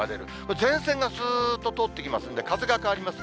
前線がすーっと通っていきますんで、風が変わります。